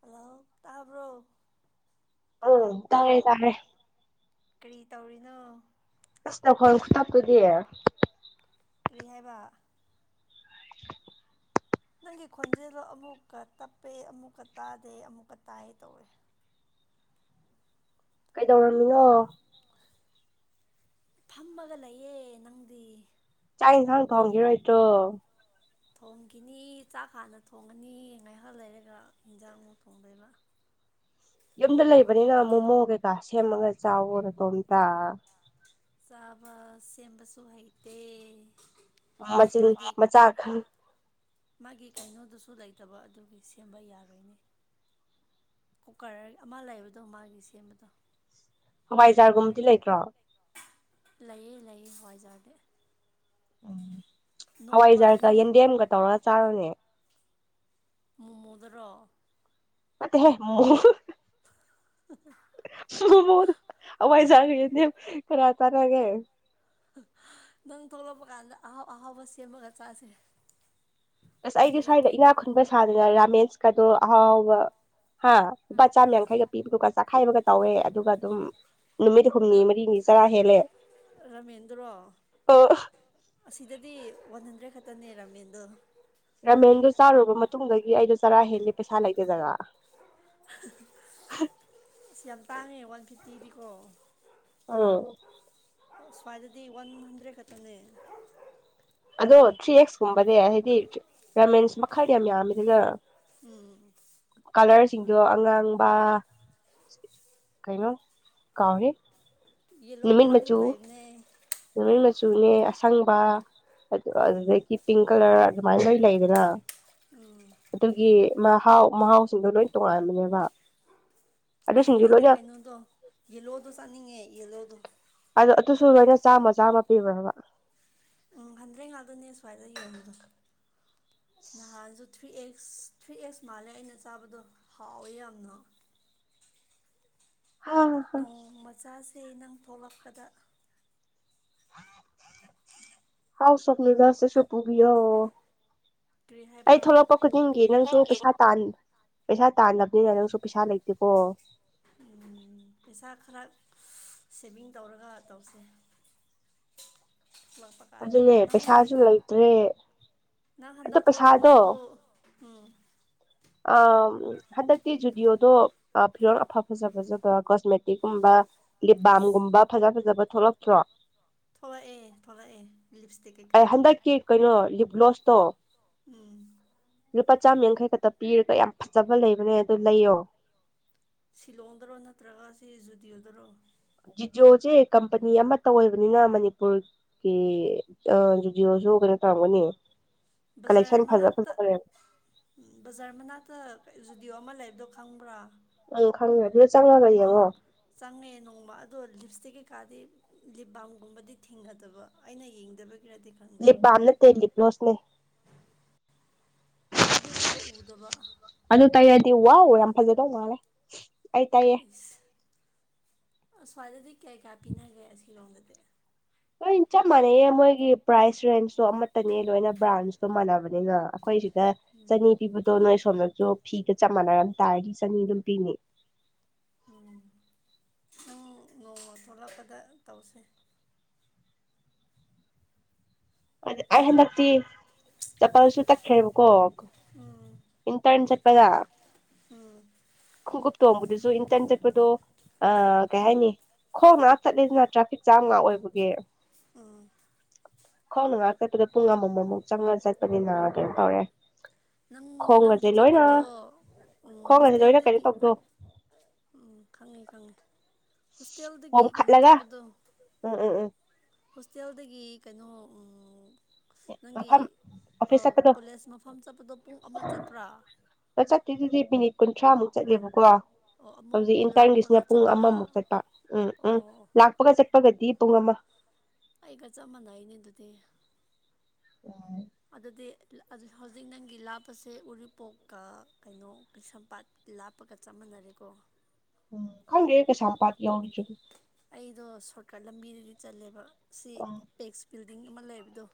Hello ꯇꯝꯕ꯭ꯔꯣ ꯑ ꯇꯥꯔꯦ ꯇꯥꯔꯦ ꯇꯧꯔꯤꯅꯣ ꯔꯥꯁꯇ ꯈꯣꯟ ꯈ ꯊꯞꯄꯗꯤ ꯀꯔꯤ ꯍꯥꯏꯕ ꯅꯪꯒꯤ ꯈꯣꯟꯖꯦꯜꯗꯣ ꯑꯃꯨꯛꯀ ꯇꯞꯄꯦ ꯑꯃꯨꯛꯀ ꯇꯥꯗꯦ ꯑꯃꯨꯛꯀ ꯇꯥꯏ ꯇꯧꯋꯦ ꯀꯩꯗꯧꯔꯝꯃꯤꯅꯣ ꯐꯝꯃꯒ ꯂꯩꯌꯦꯦ ꯅꯪꯗꯤ ꯊ ꯏꯁꯥꯡ ꯊꯪꯒꯤꯔꯣꯣꯏ ꯇꯣ ꯊꯣꯡꯈꯤꯅꯤ ꯆꯥꯛ ꯍꯥꯟꯅ ꯊꯣꯡꯒꯅꯤ ꯉꯥꯏꯍꯥꯛ ꯂꯩꯔꯒ ꯌꯦꯟꯖꯥꯡ ꯨꯛ ꯊꯣꯡꯗꯣꯏꯕ [inaudible] ꯌꯨꯝꯗ ꯂꯩꯕꯅꯤꯅ ꯃꯣꯃꯣ ꯀꯩꯀꯥ ꯁꯦꯝꯃꯒ ꯆꯥꯎꯋꯅꯗꯣ ꯑꯝꯇ ꯆꯥꯕ ꯁꯦꯝꯕꯁꯨ ꯍꯩꯇꯦ ꯃꯆꯤꯟ ꯃꯆꯥ ꯃꯥꯒꯤ ꯀꯩꯅꯣꯗꯨꯁꯨ ꯂꯩꯇꯕ ꯑꯗꯨꯒꯤ ꯁꯦꯝꯕ ꯌꯥꯔꯣꯏꯅꯦ ꯀꯨꯀꯔ ꯑꯃ ꯂꯩꯕꯗꯣ ꯃꯥꯒꯤ ꯁꯦꯝꯕꯗꯣ ꯍꯋꯥꯏꯖꯥꯔꯒꯨꯝꯕꯗꯤ ꯂꯩꯇ꯭ꯔꯣ ꯂꯩꯌꯦ ꯂꯩꯌꯦ ꯍꯣꯏꯖꯔꯒꯦ ꯎꯝ ꯍꯋꯥꯏꯖꯥꯔꯒ ꯌꯦꯟꯗꯦꯝꯒ ꯇꯧꯔꯒ ꯆꯥꯔꯨꯅꯦ ꯃꯃꯨꯗ꯭ꯔꯣ ꯍꯦ ꯎ ꯑꯋꯥꯏꯖ ꯈꯔꯥ ꯇꯅꯒꯦ ꯅꯪ ꯊꯣꯛꯂꯛꯄ ꯀꯥꯟꯗ ꯑꯍꯥꯎ ꯑꯍꯥꯎꯕ ꯁꯦꯝꯃꯒ ꯆꯥꯁꯦ ꯑꯁ ꯑꯩꯗꯤ ꯁ꯭ꯋꯥꯏꯗ ꯏꯅꯥꯛ ꯈꯨꯟꯕ ꯁꯥꯗꯅ ꯔꯥꯃꯦꯟꯁꯀꯗꯣ ꯑꯍꯥꯎꯥꯎꯕ ꯍꯥ ꯂꯨꯄꯥ ꯆꯥꯝꯃ ꯌꯥꯡꯈꯩꯒ ꯄꯤꯕꯗꯨꯒ ꯆꯥꯛꯈꯥꯏꯕꯒ ꯇꯧꯋꯦ ꯑꯗꯨꯒ ꯑꯗꯨꯝ ꯅꯨꯃꯤꯠ ꯍꯨꯝꯅꯤ ꯃꯔꯤꯅꯤ ꯆꯔꯥ ꯍꯦꯜꯂꯦ ꯔꯃꯦꯟꯗ꯭ꯔꯣ ꯑꯣ ꯑꯁꯤꯗꯗꯤ ꯋꯥꯟ ꯍꯟꯗ꯭ꯔꯦꯠ ꯅꯤꯔꯝꯃꯤ ꯑꯗꯨꯣ ꯔꯥꯃꯦꯟꯗꯨꯣ ꯆꯥꯔꯨꯔꯕ ꯃꯇꯨꯡꯗꯩꯩꯒꯤ ꯑꯩꯗꯣ ꯆꯔꯥ ꯍꯦꯜꯂꯤ ꯄꯩꯁꯥ ꯂꯩꯇꯗꯅ꯫ ꯁ ꯌꯥꯝ ꯇꯥꯉꯦ ꯋꯥꯟ ꯐꯤꯐꯇꯤꯗꯤ ꯀꯣ꯫ ꯎꯝ꯫ ꯁ꯭ꯋꯥꯏꯗꯗꯤ ꯋꯥꯟ ꯍꯟꯗ꯭ꯔꯦꯠ ꯈꯛꯇꯅꯦ꯫ ꯑꯗꯣ ꯊ꯭ꯔꯤ ꯑꯦꯛꯁꯀꯨꯝꯕꯅꯦ ꯍꯥꯏꯗꯤ ꯔꯃꯦꯟꯁ ꯃꯈꯜꯗꯤ ꯌꯥꯝ ꯌꯥꯝꯃꯤꯗꯨꯅ꯫ ꯎꯝ꯫ ꯁꯤꯡꯗꯣ ꯑꯉꯥꯡꯕ ꯀꯩꯅꯣ ꯀꯥꯎꯔꯦ꯫ ꯌꯦꯂꯣ ꯀꯂꯔꯁꯨ ꯂꯩꯅꯦ꯫ ꯂꯣꯏ ꯃꯆꯨꯅꯦ ꯑꯁꯪꯕ ꯑꯗꯨꯗꯒꯤ ꯄꯤꯡ ꯀꯂꯔ꯫ ꯑꯗꯨꯃꯥꯏꯅ ꯂꯣꯏ ꯂꯩꯗꯅ ꯑꯗꯨꯒꯤ꯫ ꯃꯍꯥꯎ ꯃꯍꯥꯎꯁꯤꯡꯗꯣ ꯂꯣꯏ ꯇꯣꯉꯥꯟꯕꯅꯦꯕ꯫ ꯑꯩ ꯑꯗꯨꯁꯤꯡꯁꯨ ꯑꯩꯗꯤ ꯂꯣꯏꯅ ꯀꯩꯅꯣꯗꯣ ꯌꯦꯜꯂꯣꯗꯣ ꯆꯠꯅꯤꯡꯉꯦ ꯌꯦꯜꯂꯣꯗꯣ꯫ ꯑꯗꯨ ꯑꯗꯨꯁꯨ ꯂꯣꯏꯅ ꯆꯥꯝꯃ ꯆꯥꯝꯃ ꯄꯤꯕ꯭ꯔꯕ꯫ ꯎꯝ ꯍꯟꯗ꯭ꯔꯦ ꯉꯥꯛꯇꯣꯏꯅꯦ ꯁ꯭ꯋꯥꯏꯗ ꯌꯦꯡꯕꯗꯣ ꯅꯍꯥꯟꯁꯨ꯫ ꯊ꯭ꯔꯤ ꯑꯦꯛꯁ ꯊ꯭ꯔꯤ ꯑꯦꯛꯁ ꯃꯥꯜꯂꯦ ꯑꯩꯅ ꯆꯥꯕꯗꯣ ꯍꯥꯎꯋꯦ ꯌꯥꯝꯅ꯫ ꯍꯥ ꯅꯣꯡꯃꯆꯥꯁꯦ ꯅꯪ ꯊꯣꯛꯂꯛꯄꯗ꯫ ꯍꯥꯎꯁ ꯑꯣꯐ ꯅꯨꯗꯜꯁꯁꯨ ꯄꯨꯕꯤꯌꯣ꯫ ꯑꯩ ꯊꯣꯛꯂꯛꯄ ꯈꯨꯗꯤꯡꯒꯤ ꯅꯪꯁꯨ ꯅꯪꯒꯤ ꯄꯩꯁꯥ ꯇꯥꯟ꯫ ꯄꯩꯁꯥ ꯇꯥꯟꯗꯕꯅꯤꯅ ꯅꯪꯁꯨ ꯄꯩꯁꯥ ꯂꯩꯇꯦꯀꯣ꯫ ꯎꯝ ꯄꯩꯁꯥ ꯈꯔ ꯁꯦꯚꯤꯡ ꯇꯧꯔꯒ ꯇꯧꯁꯦ꯫ [inaudible] ꯑꯗꯨꯅꯦ ꯄꯩꯁꯥꯁꯨ ꯂꯩꯇ꯭ꯔꯦ꯫ ꯉ ꯑꯗꯣ ꯈꯟꯗ ꯊꯣꯔꯛꯄꯁꯨ ꯎꯝ꯫ ꯑꯥ꯫ ꯍꯟꯗꯛꯇꯤ ꯖꯨꯗꯤꯑꯣꯗꯣ ꯐꯤꯔꯣꯟꯜ ꯑꯐ ꯐꯖ ꯐꯖꯕ ꯀꯣꯁꯃꯦꯇꯤꯛꯀꯨꯝꯕ꯫ ꯂꯤꯞꯕꯥꯝꯒꯨꯝꯕ ꯐꯖ ꯐꯖꯕ ꯊꯣꯛꯂꯛꯇ꯭ꯔꯣ꯫ ꯊꯣꯛꯂꯛꯑ꯫ ꯑꯩ ꯍꯟꯗꯛꯀꯤ ꯀꯩꯅꯣ ꯂꯤꯞ ꯒꯂꯣꯁꯇꯣ꯫ ꯎꯝ꯫ ꯂꯨꯄꯥ ꯆꯥꯃ ꯌꯥꯡꯈꯩ ꯈꯛꯇ ꯄꯤꯔꯒ ꯌꯥꯝ ꯐꯖꯕ ꯂꯩꯕꯅꯦ ꯑꯗꯨ ꯂꯩꯌꯣ꯫ ꯁꯤꯂꯣꯡꯗꯔꯣ ꯅꯠꯇ꯭ꯔꯒ ꯁꯤ ꯖꯨꯗꯤꯌꯣꯗꯔꯣ꯫ ꯖꯤꯗꯤꯌꯑꯣꯁꯦ ꯀꯝꯄꯅꯤ ꯑꯃꯠꯇ ꯑꯣꯏꯕꯅꯤꯅ ꯃꯅꯤꯄꯨꯔꯒꯤ ꯖꯨꯗꯤꯑꯣ꯫ ꯁꯨꯒꯅꯦ ꯇꯥꯡꯃꯅꯤ꯫ ꯨꯕꯖꯔ ꯃꯅꯥꯛꯇ ꯕꯖꯔ ꯃꯅꯥꯛꯇ꯫ ꯖꯨꯗꯤꯑꯣ ꯑꯃ ꯂꯩꯕꯗꯣ ꯈꯪꯕ꯭ꯔꯥ꯫ ꯑꯪ ꯈꯪꯉꯗꯤ꯫ ꯎꯝ ꯆꯪꯉꯦ ꯅꯣꯡꯃ ꯑꯗꯣ ꯂꯤꯞꯁ꯫ ꯍꯧꯖꯤꯛ ꯀꯩꯀꯥꯗꯤ ꯂꯤꯞ ꯕꯥꯝꯒꯨꯝꯕꯗꯤ ꯊꯦꯡꯅꯗꯕ ꯑꯩꯅ ꯌꯦꯡꯗꯕ꯫ ꯂꯤꯕꯥꯝ ꯅꯠꯇꯦ ꯂꯤꯞ꯭ꯂꯣꯁꯅꯦ꯫ ꯑꯗꯨꯒꯨꯝꯕ ꯎꯗꯕ꯫ ꯑꯗꯨ ꯇꯩꯔꯗꯤ ꯋꯥꯎ ꯌꯥꯝ ꯐꯖꯗꯧ ꯃꯥꯂꯦ ꯑꯩ ꯇꯩꯌꯦ꯫ ꯑꯁ꯭ꯋꯥꯏꯗꯗꯤ ꯀꯌꯥ ꯀꯌꯥ ꯄꯤꯅꯒꯦ ꯑꯁꯤꯂꯣꯝꯗꯗꯤ꯫ ꯂꯣꯏ ꯆꯞ ꯃꯥꯟꯅꯩꯌꯦ ꯃꯣꯏꯒꯤ ꯄ꯭ꯔꯥꯏꯁ ꯔꯦꯟꯁꯇꯣ ꯑꯃꯠꯇꯅꯦ ꯂꯣꯏꯅ ꯕ꯭ꯔꯥꯟꯁꯇꯣ ꯃꯥꯟꯅꯕꯅꯤꯅ ꯑꯩꯈꯣꯏꯁꯤ꯫ ꯆꯅꯤ ꯄꯤꯕꯗꯣ ꯅꯣꯏꯁ꯫ ꯑ ꯁꯣꯝꯅꯁꯨ ꯐꯤꯒ ꯆꯞ ꯃꯥꯟꯅꯔꯝ ꯇꯥꯔꯗꯤ ꯆꯅꯤ ꯑꯗꯨꯝ ꯄꯤꯅꯤ꯫ ꯎꯝ ꯅꯪ ꯅꯣꯡꯃ ꯊꯣꯛꯂꯛꯄꯗ ꯇꯧꯁꯦ꯫ ꯑꯗ ꯑꯩ ꯍꯟꯗꯛꯇꯤ ꯆꯄꯥꯟꯁꯨ ꯇꯛꯈ꯭ꯔꯦꯕꯀꯣ꯫ ꯏꯟꯇꯔꯟ ꯆꯠꯄꯗ ꯈꯀꯨꯨꯞ ꯊꯕꯨꯗꯤ꯫ ꯏꯟꯇꯟ ꯆꯠꯄꯗꯣ꯫ ꯑ ꯀꯩ ꯍꯥꯏꯅꯤ ꯈꯣꯡ ꯉꯥꯛ ꯆꯠꯂꯤꯁꯤꯅ ꯇ꯭ꯔꯥꯐꯤꯛ ꯖꯥꯝ ꯉꯥꯛ ꯑꯣꯏꯕꯒꯤ꯫ ꯑꯣ ꯈ꯭ꯋꯥꯅ ꯉꯥꯏꯍꯥꯛ ꯆꯠꯄꯗ ꯄꯨꯡ ꯑꯃꯃꯃꯨꯛ ꯆꯪꯉ ꯆꯠꯄꯅꯤꯅ ꯀꯩꯅ ꯇꯧꯔꯦ ꯅꯪ ꯅꯪꯒꯤ ꯈꯣꯡꯒꯁꯦ ꯂꯣꯏꯅ ꯆꯠꯄꯗꯣ ꯈꯣꯡꯒꯁꯦ ꯂꯣꯏꯅ ꯀꯩꯅꯣ ꯍꯣꯁꯇꯦꯜꯗꯒꯤ ꯇꯧꯕꯗꯣ ꯎꯝ ꯈꯪꯉꯤ ꯈꯪꯉꯤ ꯍꯣꯁꯇꯦꯜꯗꯒꯤ ꯀꯩꯅꯣ ꯄꯣꯝꯈꯠꯂꯒ ꯆꯠꯄꯗꯣ ꯎꯝ ꯎꯝ ꯎꯝ ꯍꯣꯁꯇꯦꯜꯗꯒꯤ ꯀꯩꯅꯣ ꯅꯪꯒꯤ ꯃꯐꯝ ꯀꯣꯂꯦꯖ ꯃꯐꯝ ꯆꯠꯄ ꯑ ꯆꯠꯇꯀꯦꯗꯨꯗꯤ ꯃꯤꯅꯤꯠ ꯀꯨꯟꯊ꯭ꯔꯥꯃꯨꯛ ꯆꯠꯂꯦꯕꯀꯣ ꯑꯣ ꯍꯧꯖꯤꯛ ꯏꯟꯇꯔꯟꯒꯤꯁꯤꯅ ꯄꯨꯡ ꯑꯃꯃꯨꯛ ꯆꯠꯄ ꯎꯝ ꯎꯝ ꯂꯥꯛꯄꯒ ꯆꯠꯄꯒꯗꯤ ꯄꯨꯡ ꯑꯃ ꯑꯩꯒ ꯆꯞ ꯃꯥꯟꯅꯩꯅꯦ ꯑꯗꯨꯗꯤ ꯎꯝ ꯍꯧꯖꯤꯛ ꯅꯪꯒꯤ ꯂꯥꯞꯄꯁꯦ ꯎꯔꯤꯄꯣꯛꯀ ꯀꯩꯅꯣ ꯀꯩꯁꯝꯄꯥꯠ ꯂꯥꯞꯄꯒ ꯆꯅꯩ ꯃꯔꯦꯀꯣ ꯎꯝ ꯈꯔ ꯏ ꯀ ꯁꯄꯥꯗꯤꯤ ꯌꯥꯎꯅꯤ ꯆꯒ ꯑꯩꯗꯣ ꯁꯣꯔꯠꯀꯠ ꯂꯝꯕꯤꯗꯗꯤ ꯆꯜꯂꯦꯕ ꯁꯤ ꯎꯝ ꯄꯦꯛꯁ ꯕꯤꯜꯗꯤꯡ ꯑꯃ ꯂꯩꯕꯗꯣ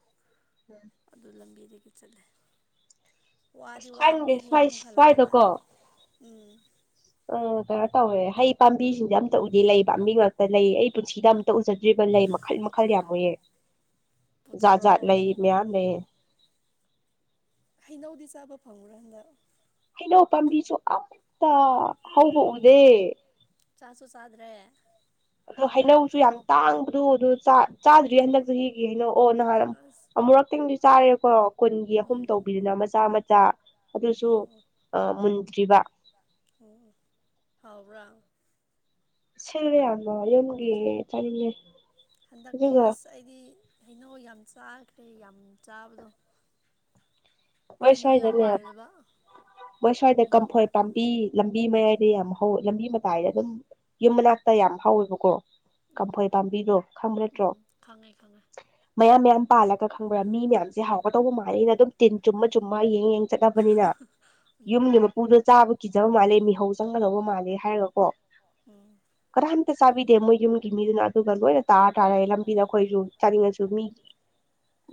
ꯑꯗꯨ ꯂꯝꯕꯤꯗꯒꯤ ꯆꯠꯂꯦ ꯋꯥꯗꯤ ꯑꯁ ꯈꯪꯗꯦ ꯋꯥꯕꯅꯤ ꯍꯦꯛ ꯑꯃꯨꯛ ꯍꯜꯂꯛꯄꯗ ꯎꯝ ꯎ ꯀꯩꯅꯣ ꯇꯧꯋꯦ ꯍꯩ ꯄꯥꯝꯕꯤꯁꯤꯡꯁꯦ ꯌꯥꯝ ꯑ ꯎꯗꯤ ꯂꯩꯕ ꯃꯤ ꯉꯛꯇ ꯂꯩꯌꯦ ꯑꯩ ꯄꯨꯟꯁꯤꯗ ꯑꯝ ꯎꯖꯦ ꯗ꯭ꯔꯤꯕ ꯂꯩ ꯃꯈꯜ ꯃꯈꯜ ꯌꯥꯝ ꯑꯣꯏꯨꯌꯦ ꯖꯥꯠ ꯖꯥꯠ ꯂꯩ ꯃꯌꯥꯝ ꯂꯩꯌꯦ ꯍꯩꯅꯧꯗꯤ ꯆꯥꯕ ꯐꯪꯕ꯭ꯔꯥ ꯍꯟꯗ ꯍꯩꯅꯣ ꯄꯥꯝꯕꯤꯁꯨ ꯑꯃꯇ ꯍꯧꯕ ꯎꯗꯦ ꯆꯥꯁꯨ ꯆꯥꯗ꯭ꯔꯦ ꯑꯗꯣ ꯍꯩꯅꯧꯁꯨ ꯌꯥꯝ ꯇꯥꯡꯕꯗꯣ ꯑꯗꯨ ꯆꯥꯗ꯭ꯔꯤ ꯍꯟꯗꯛ ꯆꯍꯤꯒꯤ ꯍꯩꯅꯧ ꯑꯣ ꯅꯍꯥꯟ ꯑꯃꯨꯔꯛꯇꯪꯁꯨ ꯆꯥꯔꯦꯀꯣ ꯀꯨꯟꯒꯤ ꯑꯍꯨꯝ ꯇꯧꯕꯤꯗꯨꯅ ꯃꯆꯥ ꯃꯆꯥ ꯑꯗꯨꯁꯨ ꯑ ꯃꯨꯟꯗ꯭ꯔꯤꯕ ꯑꯣ ꯍꯥꯎꯕ꯭ꯔꯥ ꯁꯤꯦꯜꯃ ꯌꯝꯒ ꯇꯅꯤꯡꯃꯦ ꯍꯟꯗꯛꯇꯤ ꯑꯁ ꯑꯩꯗꯤ ꯍꯩꯅꯧ ꯌꯥꯝ ꯆꯥꯈ꯭ꯔꯦ ꯌꯥꯝ ꯆꯥꯕꯗꯣ ꯃꯣꯏ ꯁ꯭ꯋꯥꯏꯗꯅꯦ ꯃꯣꯏ ꯁ꯭ꯋꯥꯏꯗ ꯀꯝꯐꯣꯏ ꯄꯥꯝꯕꯤ ꯂꯝ ꯂꯝꯕꯤ ꯃꯌꯥꯏꯗ ꯌꯥꯝ ꯍꯧꯋ ꯂꯝꯕꯤ ꯃꯇꯥꯏꯗ ꯑꯗꯨꯝ ꯌꯨꯝ ꯃꯅꯥꯛꯇ ꯌꯥꯝ ꯍꯧꯋꯦꯕꯀꯣ ꯀꯝꯐꯣꯏꯩ ꯄꯥꯝꯕꯤꯔꯣ ꯈꯪꯪꯂꯠꯇ꯭ꯔꯣ ꯃꯌꯥꯝ ꯃꯌꯥꯝ ꯄꯥꯜꯂꯒ ꯈꯪꯕ꯭ꯔꯥ ꯃꯤ ꯃꯌꯥꯝꯁꯦ ꯍꯥꯎꯔꯒ ꯇꯧꯕ ꯃꯥꯜꯜꯂꯤꯅ ꯑꯗꯨꯝ ꯇꯤꯟ ꯆꯨꯝꯃ ꯆꯨꯝꯃ ꯌꯦ ꯆꯠꯂꯅꯕꯅꯤꯅ ꯌꯨꯝꯒꯤ ꯃꯄꯨꯗꯣ ꯆꯥꯕ ꯀꯤꯖꯕ ꯃꯥꯜꯂꯦ ꯃꯤꯍꯧ ꯆꯪꯒꯗꯧꯕ ꯃꯥꯜꯂꯦ ꯍꯥꯏꯔꯒꯀꯣ ꯀꯗꯥꯏ ꯍꯦꯛꯇ ꯆꯥꯕꯤꯗꯦ ꯃꯣꯏ ꯌꯨꯝꯒꯤ ꯃꯤꯗꯨꯅ ꯑꯗꯨꯒ ꯂꯣꯏꯅ ꯇꯥꯔ ꯇꯥꯔꯦ ꯂꯝꯕꯤꯗ ꯑꯩꯈꯣꯏꯁꯨ ꯆꯥꯅꯤꯡꯉꯁꯨ ꯃꯤ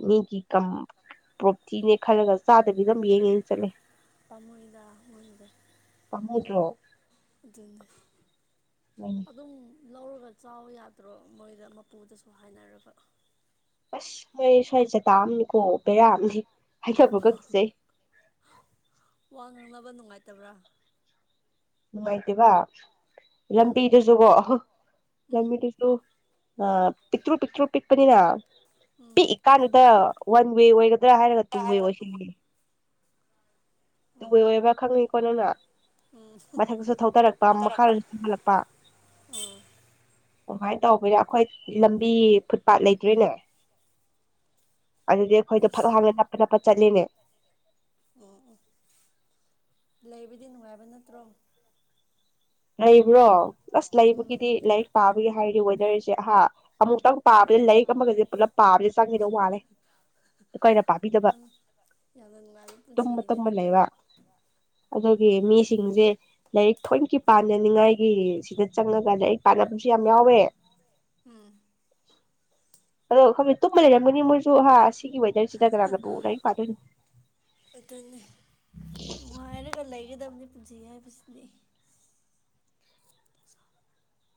ꯃꯤꯒꯤ ꯀ ꯄ꯭ꯔꯣꯞꯇꯤꯅꯦ ꯈꯜꯂꯒ ꯆꯥꯗꯕꯤ ꯑꯗꯨꯝ ꯌꯦꯡꯉꯦ ꯆꯠꯂꯦ ꯄꯥꯝꯃꯣꯏꯗ ꯃꯣꯏꯗ ꯄꯥꯝꯃꯨꯗ꯭ꯔꯣ ꯅꯣꯏꯅ ꯑꯗꯨꯝ ꯂꯧꯔꯒ ꯆꯥꯎ ꯌꯥꯗ꯭ꯔꯣ ꯃꯣꯏꯗ ꯃꯄꯨꯗꯁꯨ ꯍꯥꯏꯅꯔꯒ ꯑꯁ ꯃꯣꯏ ꯁ꯭ꯋꯥꯏꯁꯦ ꯇꯥꯑꯝꯅꯤꯀꯣ ꯄꯦꯔꯥꯝꯗꯤ ꯍꯥꯏꯒꯠꯄ ꯀꯛꯆꯩ ꯋꯥ ꯉꯥꯡꯅꯕ ꯅꯨꯡꯉꯥꯏꯇꯕ꯭ꯔꯥ ꯅꯨꯡꯉꯥꯏꯇꯦꯕ ꯂꯝꯕꯤꯗꯨꯁꯨꯀꯣ ꯑ ꯂꯝꯕꯤꯗꯨꯁꯨ ꯑ ꯄꯤꯛꯇ꯭ꯔꯨ ꯄꯤꯛꯇ꯭ꯔꯨ ꯄꯤꯛꯄꯅꯤꯅ ꯄꯤꯛꯏꯀꯥꯟꯗꯨꯗ ꯋꯥꯟ ꯋꯦ ꯑꯣꯏꯒ ꯗ꯭ꯔꯥ ꯍꯥꯏꯔꯒ ꯇꯨꯍꯦꯕ ꯁꯤꯅꯦ ꯇꯨ ꯑꯣꯏꯕ꯭ꯔꯥ ꯈꯪꯉꯤꯀꯣ ꯅꯪꯅ ꯃꯊꯛꯇꯁꯨ ꯊꯧꯊꯔꯛꯄ ꯊꯧꯗꯔꯛꯄ ꯃꯈꯥꯗꯁꯨ ꯊꯧꯒꯠꯂꯛꯄ ꯑꯗꯨꯃꯥꯏꯅ ꯇꯧꯕꯅ ꯑꯩꯈꯣꯏ ꯂꯝꯕꯤ ꯐꯨꯠꯄꯥꯥꯠ ꯂꯩꯇ꯭ꯔꯔꯤꯅꯦ ꯑꯗꯨꯗꯤ ꯑꯩꯈꯣꯏꯗꯣ ꯐꯛ ꯍꯡꯅ ꯅꯞꯄ ꯅꯞꯄ ꯆꯠꯂꯤꯅꯦ ꯎꯝ ꯑꯣ ꯂꯩꯕꯨꯗꯤ ꯅꯨꯡꯉꯥꯏꯕ ꯅꯠꯇ꯭ꯔꯣ ꯂꯩꯕ꯭ꯔꯣ ꯑꯁ ꯂꯩꯕꯒꯤꯗꯤ ꯂꯥꯏꯔꯤꯛ ꯄꯥꯕꯒꯤ ꯍꯥꯏꯔꯤ ꯋꯦꯗꯔꯁꯦ ꯑꯍꯥ ꯑꯃꯨꯛꯇꯪ ꯄꯥꯕꯁ ꯂꯥꯏꯔꯤꯛ ꯑꯃꯒꯁꯦ ꯄꯨꯂꯞ ꯄꯥꯕꯁ ꯆꯪꯒꯦꯗ ꯋꯥꯠꯂꯦ ꯑꯩꯈꯣꯏꯅ ꯄꯥꯕꯤꯗꯕ ꯇꯨꯝꯕ ꯇꯨꯝꯕ ꯂꯩꯕ ꯑꯗꯨꯒꯤ ꯃꯤꯁꯤꯡꯁꯦ ꯂꯥꯏꯔꯤꯛ ꯊꯣꯏꯅꯀꯤ ꯄꯥꯟꯅꯅꯤꯡꯉꯥꯏꯒꯤ ꯁꯤꯗ ꯆꯪꯉ ꯀꯥꯟꯗ ꯑꯩ ꯄꯥꯟꯅꯕꯁꯨ ꯌꯥꯝ ꯌꯥꯎꯋꯦ ꯎꯝ ꯑꯗꯣ ꯈꯪꯦ ꯇꯨꯝꯕ ꯂꯩꯔꯝꯒꯅꯤ ꯃꯣꯏꯁꯨ ꯍꯥ ꯁꯤ ꯋꯦꯗꯔꯁꯤꯗ ꯀꯅꯥꯅꯕꯨ ꯂ ꯄꯥꯗꯣꯏꯅꯣ ꯑꯗꯨꯅꯦ ꯅꯨꯡꯉꯥꯏꯔꯒ ꯂꯩꯒꯗꯕꯅꯤ ꯄꯨꯖꯤꯁꯤ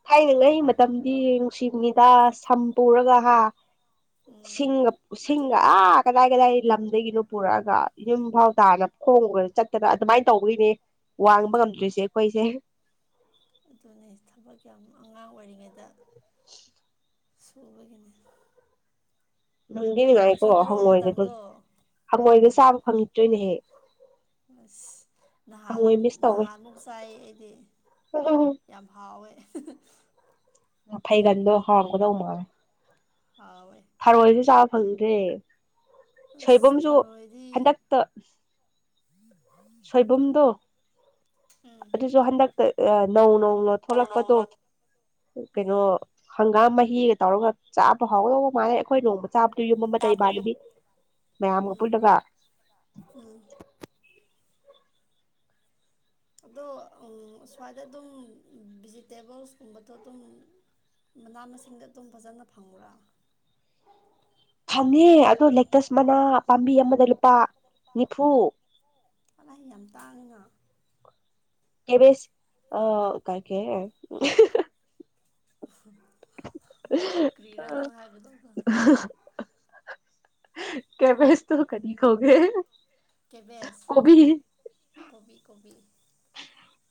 ꯊꯥꯏꯅꯉꯒꯤ ꯃꯇꯝꯗꯤ ꯅꯨꯡꯁꯤꯉꯗ ꯁꯝ ꯄꯨꯔꯒ ꯍꯥ ꯁꯤꯡꯁꯤꯡ ꯑꯥ ꯀꯗꯥꯏ ꯀꯗꯥꯏ ꯂꯝꯗꯒꯤꯅꯣ ꯄꯨꯔꯛꯑꯒ ꯌꯨꯝ ꯐꯥꯎ ꯇꯥꯅ ꯈꯣꯡ ꯆꯠꯇꯅ ꯑꯗꯨꯃꯥꯏꯅ ꯇꯧꯕ ꯎꯏꯅꯦ ꯋꯥꯡꯕ ꯉꯝꯗ꯭ꯔꯤꯁꯦ ꯑꯩꯈꯣꯏꯁꯦ ꯑꯗꯨꯅꯦ ꯊꯕꯛ ꯌꯥꯝ ꯑꯉꯥꯡ ꯑꯣꯏꯔꯤꯉꯩꯗ [unintelligible] ꯁꯕꯒꯤꯅꯦ ꯗꯤ ꯅꯨꯡꯉꯥꯏꯀꯣ ꯍꯪꯉꯣꯏꯒ ꯍꯪꯉꯣꯏꯒ ꯆꯥꯕ ꯐꯪꯈꯤꯠꯇꯣꯏꯅꯦꯍꯦꯛ ꯑꯁ ꯅꯍꯥꯟ ꯍꯪꯉꯣꯏ ꯃꯤꯁ ꯇꯧꯋꯦ ꯅꯍꯥꯟꯃꯨꯛ ꯆꯥꯏ ꯑꯩꯗꯤ ꯌꯥꯝ ꯍꯥꯎꯋꯦ ꯐꯩꯒꯟꯗꯣ ꯍꯥꯡꯒꯗꯧ ꯃꯥꯉꯦ ꯑꯥꯎ ꯊꯥꯔꯣꯏꯁꯨ ꯆꯥꯕ ꯐꯪꯗ꯭ꯔꯦ ꯁꯣꯏꯕꯨꯝꯁꯨ ꯍꯟꯗꯛꯇ ꯁꯣꯏꯕꯨꯝꯗꯣ ꯑꯗꯨꯁꯨ ꯍꯟꯗꯛꯇ ꯅꯧ ꯅꯧ ꯅꯣꯡ ꯊꯣꯛꯂꯛꯄꯗꯣ ꯅꯣꯡꯅ ꯀꯩꯅꯣ ꯍꯪꯒꯥꯝ ꯃꯍꯤꯒ ꯇꯧꯔꯒ ꯆꯥꯕ ꯐꯥꯎꯗꯧꯕ ꯃꯥꯜꯂꯩ ꯑꯩꯈꯣꯏ ꯅꯣꯡꯃ ꯆꯥꯞꯇꯨ ꯌꯨꯝ ꯃ ꯃꯇ ꯍꯥꯞꯇꯨ ꯏꯃꯥꯟ ꯌꯨꯝ ꯅꯕꯤ ꯃꯌꯥꯝ ꯑꯃꯒ ꯄꯨꯜꯂꯒ ꯑꯗꯣ ꯁ꯭ꯋꯥꯏꯗ ꯑꯗꯨꯝ ꯚꯤꯖꯤꯇꯦꯕꯜꯁꯀꯨꯝꯕꯗꯣ ꯑꯗꯨꯝ ꯃꯅꯥ ꯃꯁꯤꯡꯗ ꯑꯗꯨꯝ ꯐꯖꯅ ꯐꯪꯕ꯭ꯔꯥ ꯐꯪꯉꯦ ꯑꯗꯣ ꯂꯦꯛꯇꯁ ꯃꯅꯥ ꯄꯥꯝꯕꯤ ꯑꯃꯗ ꯂꯨꯄꯥ ꯅꯤꯐꯨ ꯑꯂꯍ ꯌꯥꯝ ꯇꯥꯡꯉꯤꯅ ꯀ‌ꯦꯕꯁ ꯑ ꯀꯥꯏꯀꯦ [unintelligible] ꯀꯔꯤꯔꯥ ꯅꯪ ꯍꯥꯏꯒ‌ꯦ ꯇꯧꯕꯗ‌ꫭ ꯀ‌ꯦꯕꯁꯇꫭ ꯀꯔꯤ ꯀꯧꯒꯦ ꯀꯦꯕꯦꯁ ꯀꯣꯕꯤ ꯀꯣꯕꯤ ꯀꯣꯕꯤ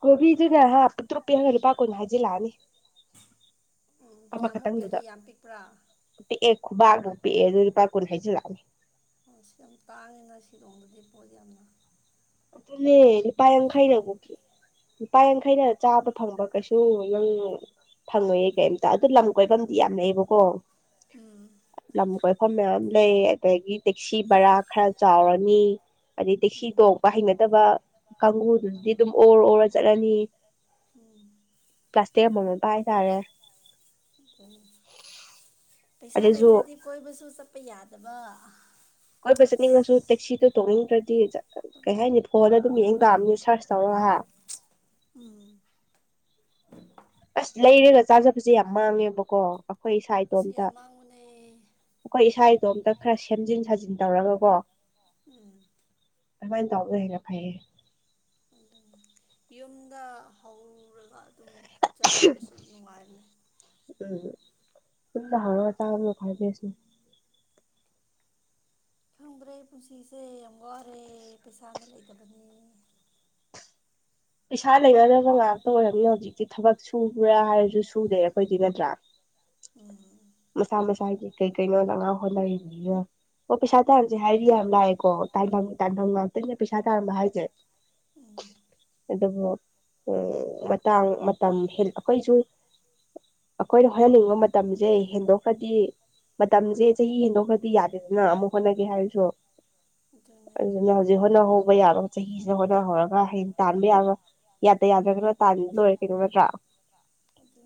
ꯀꯣꯕꯤꯗꯨꯅ ꯍꯥ ꯄꯤꯛꯇꯔꯨ ꯄꯤꯛꯑꯒ ꯂꯨꯄꯥ ꯀꯨꯟ ꯍꯥꯏꯖꯤꯜꯂꯛꯑꯅꯤ [unintelligible] ꯑꯃꯈꯛꯇꯪꯗꯨꯗ ꯄꯤꯛꯑꯦ ꯈꯨꯕꯥꯛꯃꯨꯛ ꯄꯤꯛꯑꯦ ꯑꯗꯨ ꯂꯨꯄꯥ ꯀꯨꯟ ꯍꯥꯏꯁꯤꯜ ꯂꯥꯛ [unintelligible] ꯑ ꯁꯤ ꯌꯥꯝ ꯇꯥꯡꯉꯤꯅ ꯁꯤꯂꯣꯡꯗꯗꯤ ꯄꯣꯠ ꯌꯥꯝꯅ ꯑꯗꯨꯅꯦ ꯂꯨꯄꯥ ꯌ‌ꯥꯡꯈꯩꯅ ꯑꫭꯛꯇ‌ꯦ ꯂꯨꯄꯥ ꯌꯥꯡꯈꯩꯅ ꯆꯥꯕ ꯐꯪꯕ ꯀꯩꯁꯨ ꯅꯪ ꯐꯪꯉꯣꯏꯌꯦ ꯀꯩꯝꯇ ꯑꯗꯨ ꯂꯝ ꯀꯣꯏꯐꯝꯗꯤ ꯌꯥꯝ ꯂꯩꯌꯦꯕꯀꯣ ꯂꯝ ꯀꯣꯏꯐꯝ ꯃꯌꯥꯝ ꯂꯩ ꯑꯗꯒꯤ ꯇꯦꯛꯁꯤ ꯕꯔꯥ ꯈꯔ ꯆꯥꯎꯔꯅꯤ ꯑꯗꯩ ꯇꯦꯛꯁꯤ ꯇꯣꯡ ꯅꯠꯇꯕ ꯀꯥꯡꯒꯨꯗꯨꯗꯤ ꯑꯗꯨꯝ ꯑꯣꯔ ꯑꯣꯔ ꯆꯠꯂꯅꯤ ꯄ꯭ꯂꯥꯁꯇꯤꯛ ꯑꯃꯥꯃꯝ ꯄꯥꯏ ꯇꯥꯔꯦ ꯄꯩꯁꯥ ꯑꯗꯨꯁꯨ ꯂꯩꯇ꯭ꯔꯗꯤ ꯀꯣꯏꯕꯁꯨ ꯆꯠꯄ ꯌꯥꯗꯕ ꯀꯣꯏꯕ ꯆꯠꯅꯤꯡꯉꯁꯨ ꯇꯦꯛꯁꯤꯗꯣ ꯇꯣꯡꯅꯤꯡꯗ꯭ꯔꯗꯤ ꯀꯩ ꯍꯥꯏꯅꯤ ꯐꯣꯟꯗ ꯑꯗꯨꯝ ꯌꯦꯡ ꯇꯥꯕꯅꯤꯅ‌ꯦ ꯁꯥꯔꯁ ꯇꯧꯔꯒ ꯎꯝ ꯑꯁ ꯂꯩꯔꯒ ꯆꯥꯖꯕꯁꯦ ꯌꯥꯝ ꯃꯥꯡꯉꯦꯕꯀꯣ ꯑꯩꯈꯣꯏ ꯏꯁꯥ ꯏꯇꯣꯝꯇ ꯑꯩꯈꯣꯏ ꯏꯁꯥ ꯏꯇꯣꯝꯇ ꯈꯔ ꯁꯦꯝꯖꯤꯟ ꯁꯥꯖꯤꯟ ꯇꯧꯔꯒꯀꯣ ꯎꯝ ꯑꯗꯨꯃꯥꯏꯅ ꯇꯥꯎꯕꯅꯥ ꯍ‌ꯦꯟꯅ ꯐꯩꯌꯦ ꯌꯨꯝꯗ ꯍꯧꯔꯒ ꯑꯗꯨꯝ ꯆꯥꯕꯗꯁꯨ ꯅꯨꯡꯉꯥꯏꯕꯅꯦ ꯎꯝ ꯌꯨꯝꯗ ꯍꯧꯔ ꯆꯥꯕꯅ ꯈ꯭ꯋꯥꯢ ꯕꯦꯁꯅꯤ ꯈꯪꯗ꯭ꯔꯦ ꯄꯨꯟꯁꯤꯁꯦ ꯌꯥꯝ ꯋꯥꯔꯦ ꯄꯩꯁꯥꯅꯥ ꯂꯩꯇꯕꯅꯤ ꯄꯩꯁꯥ ꯂꯩꯅꯗꯕ ꯉꯥꯛꯇ ꯑꯣꯏꯔꯝꯅꯤ ꯍꯧꯖꯤꯛꯇꯤ ꯊꯕꯛ ꯁꯨꯕ꯭ꯔꯥ ꯍꯥꯏꯔꯁꯨ ꯁꯨꯗꯦ ꯑꯩꯈꯣꯏꯗꯤ ꯅꯠꯇ꯭ꯔꯥ ꯃꯁꯥ ꯃꯁꯥꯒꯤ ꯀꯩ ꯀꯩꯅꯣ ꯅꯪꯅ ꯍꯣꯠꯅꯔꯤꯕꯅꯤꯅ ꯍꫭ ꯄꯩꯁꯥ ꯇꯥꯟꯁꯦ ꯍꯥꯏꯔꯤ ꯌꯥꯝ ꯂꯥꯛꯑꯦꯀꯣ ꯇꯥꯟꯐꯝ ꯇꯥꯟꯐꯝ ꯉꯥꯛꯇꯅꯦ ꯄꯩꯁꯥ ꯇꯥꯟꯕ ꯍꯥꯏꯁꯦ ꯑꯗꯨꯕꯨ ꯎ ꯃꯇꯥꯡ ꯃꯇꯝ ꯍ ꯑꯩꯈꯣꯏꯁꯨ ꯑꯩꯈꯣꯏꯅ ꯍꯣꯠꯅꯅꯤꯡꯕ ꯃꯇꯝꯁꯦ ꯍꯦꯟꯗꯣꯛꯈ꯭ꯔꯗꯤ ꯃꯇꯝꯁꯦ ꯆꯍꯤ ꯍꯦꯟꯗꯣꯛꯈ꯭ꯔꯗꯤ ꯌꯥꯗꯦꯗꯅ ꯑꯃꯨꯛ ꯍꯣꯠꯅꯒꯦ ꯍꯥꯏꯔꯁꯨ ꯎ [unintelligible] ꯑꯗꯨꯅ ꯍꯧꯖꯤꯛ ꯍꯣꯠꯅꯍꯧꯕ ꯌꯥꯕ ꯆꯍꯤꯁꯤꯗ ꯍꯣꯠꯅꯍꯧꯔꯒ ꯍꯌꯦꯡ ꯇꯥꯟꯕ ꯌꯥꯕ ꯌꯥꯗ ꯌꯥꯗ꯭ꯔꯒꯅ ꯇꯥꯟ ꯂꯣꯏꯔ ꯀꯩꯅꫭ ꯅꯠꯇ꯭ꯔꯥ ꯑꯗꯨꯗ [unintelligible]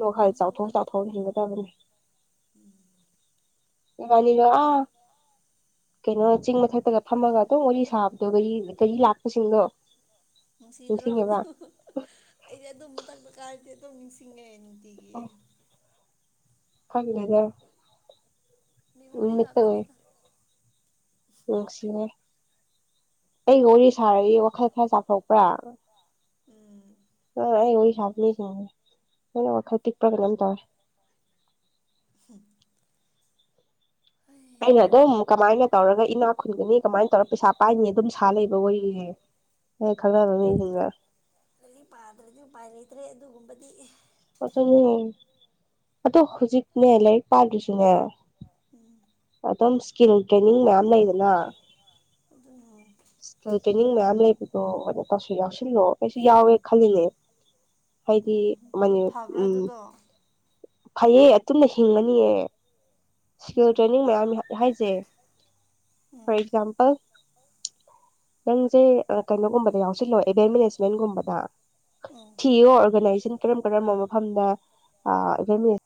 ꯋꯥꯈꯜ ꯆꯥꯎꯊꯣꯛ ꯆꯥꯎꯊꯣꯛꯅ ꯍꯤꯡꯕ ꯇꯝꯒꯗꯝꯅꯤ ꯏꯕꯅꯤꯅꯥ ꯑꯥ ꯀꯩꯅꯣ ꯆꯤꯡ ꯃꯊꯛꯇꯒ ꯐꯝꯃꯒ ꯑꯗꯨꯝ ꯋꯥꯔꯤ ꯁꯥꯕꯗꯣ ꯒꯥꯔꯤ ꯒꯥꯔꯤ ꯂꯥꯛꯄꯁꯤꯡꯗꯣ ꯅꯨꯡꯁꯤꯗ꯭ꯔꯣ ꯅꯤꯡꯁꯤꯡꯉꯦꯕ ꯑꯩꯗꯤ ꯑꯗꯨꯝ ꯃꯇꯪꯗꫭ ꯀꯥꯎꯗꯤ ꯑꯗꯨꯝ ꯅꯤꯡꯁꯤꯡꯉꯦ ꯅꯤ ꯑꯣ ꯈꯪꯗꯦꯗ ꯃꯦꯃꯣꯔꯤ ꯉꯥꯛꯇꯅꯤꯗ ꯅꯨꯡꯁꯤꯍꯦ ꯑꯩ ꯋꯥꯔꯤ ꯁꯥꯔꯏ ꯋꯥꯈꯜ ꯈꯔ ꯆꯥꯊꯣꯛꯄ꯭ꯔꯥ ꯑ ꯁꯥꯥꯅꯤ ꯋꯥꯈꯜ ꯄꯤꯛꯄ꯭ꯔ ꯀꯩꯅꯣꯝ ꯇꯧ ꯎꯝ ꯑꯩꯅ ꯑꯗꯨꯝ ꯀꯃꯥꯏꯅ ꯇꯧꯔꯒ ꯏꯅꯥ ꯈꯨꯟꯒꯅꯤ ꯀꯃꯥꯏꯅ ꯇꯧꯔ ꯄꯩꯁꯥ ꯄꯥꯏꯅꯤ ꯑꯗꯨꯝ ꯁꯥ ꯂꯩꯕ ꯋꯥꯔꯤꯁꯦ ꯑꯦ ꯈꯜꯕ ꯄꯥꯗ꯭ꯔꯗꯤ ꯎꯄꯥꯢ ꯂꯩꯇ꯭ꯔꯦ ꯑ [unintelligible] ꯑꯗꯣ ꯍꯧꯖꯤꯛꯅꯦ ꯂꯥꯏꯔꯤꯛ ꯄꯥꯗ꯭ꯔꯤꯁꯨꯅꯦ ꯑꯗꯨꯝ ꯇ꯭ꯔꯦꯅꯤꯡ ꯃꯌꯥꯝꯅ ꯏꯗꯅ ꯑꯗꯨ ꯏꯁꯀꯤꯜ ꯇ꯭ꯔꯦꯅꯤꯡ ꯃꯌꯥꯝ ꯂꯩꯕꯗꯣ ꯀꯧꯁꯨ ꯌꯥꯎꯁꯜꯂꯣ ꯀꯩꯁꯨ ꯌꯥꯎꯋꯦ ꯈꯜꯂꯤꯅꯦ ꯍꯥꯏꯗꯤ ꯃꯅꯦ ꯎ ꯐꯩꯌꯦ ꯑꯇꯨꯅ ꯍꯤꯡꯉꯅꯤꯑ ꯏꯁꯀꯤꯜ ꯇ꯭ꯔꯦꯅꯤꯡ ꯃꯌꯥꯝ ꯍꯥꯏꯖꯩ ꯐꯣꯔ ꯑꯦꯛꯖꯥꯝꯄꯜ ꯅꯪꯁꯦ ꯀꯩꯅꯣꯒꯨꯝꯕꯗ ꯌꯥꯎꯁꯤꯜꯂꯣ ꯏꯚꯦꯟ ꯃꯦꯅꯦꯖꯃꯦꯟꯒꯨꯝꯕꯗ ꯊꯤꯌꯣ ꯑꯣꯔꯒꯅꯥꯏꯖꯦꯁꯟ ꯀꯔꯝ ꯀꯔꯝꯕ ꯃꯐꯝꯗ